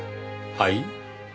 はい？